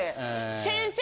先生！